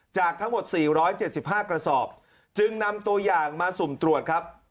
จากทั้งหมด๔๗๕กระสอบจึงนำตัวอย่างมาสุ่มตรวจครับ